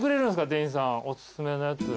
店員さんおすすめのやつ。